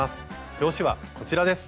表紙はこちらです。